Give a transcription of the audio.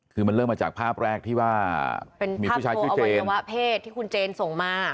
คือมันเริ่มมาจากภาพแรกที่ว่าเป็นภาพโทรอวัญญาวะเพศที่คุณเจนส่งมา